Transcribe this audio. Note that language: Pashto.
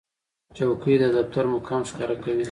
چوکۍ د دفتر مقام ښکاره کوي.